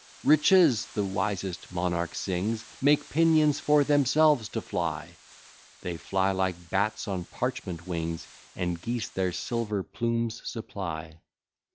"Riches," the wisest monarch sings, "Make pinions for themselves to fly;" They fly like bats on parchment wings, And geese their silver plumes supply.